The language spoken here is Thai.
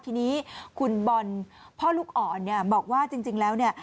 ทีนี้คุณบอลพ่อลูกอ่อนบอกว่าจริงแล้ว